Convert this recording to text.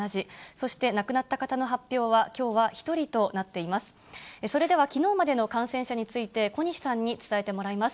そして亡くなった方の発表はきょうは１人となっています。